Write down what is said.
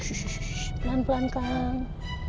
shhh pelan pelan kang